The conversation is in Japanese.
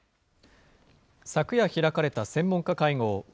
昨夜開かれた専門家会合。